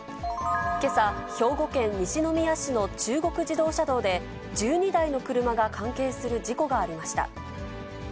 けさ、兵庫県西宮市の中国自動車道で、１２台の車が関係する事故がありました。